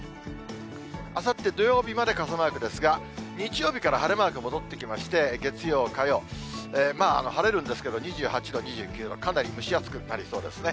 あさって土曜日まで傘マークですが、日曜日から晴れマーク戻ってきまして、月曜、火曜、晴れるんですけど、２８度、２９度、かなり蒸し暑くなりそうですね。